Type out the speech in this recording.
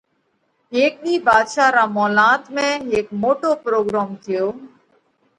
هيڪ ۮِي ڀاڌشا را مولات ۾ هيڪ موٽو پروڳروم ٿيو۔